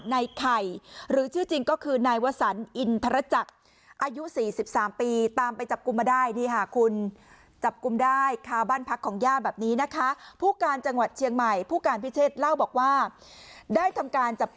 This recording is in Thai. ในใครหรือชื่อจริงก็คือนายวสัญอินทรจจ